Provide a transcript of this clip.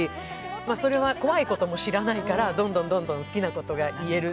それは怖いことも知らないから、どんどん好きなことも言える。